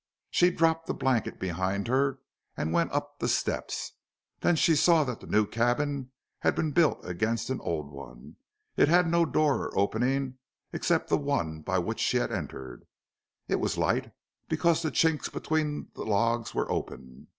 She dropped the blanket behind her and went up the steps. Then she saw that the new cabin had been built against an old one. It had no door or opening except the one by which she had entered. It was light because the chinks between the logs were open.